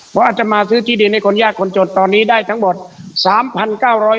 เพราะอาจจะมาซื้อที่ดินให้คนยากคนจดตอนนี้ได้ทั้งหมดสามพันเก้าร้อย